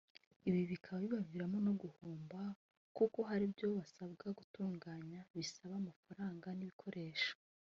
ibi bikaba bibaviramo no guhomba kuko hari ibyo basabwa gutunganya bisaba amafaranga n’ibikoresho